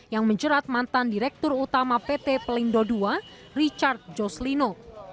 yang menjerat mantan direktur utama pt pelindo ii richard joslino